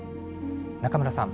中村さん